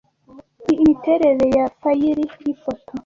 ni imiterere ya fayili yifoto